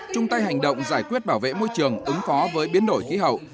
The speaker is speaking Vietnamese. chung tay hành động giải quyết bảo vệ môi trường ứng phó với biến đổi khí hậu